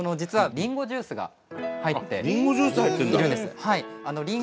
りんごジュース入ってるんだ。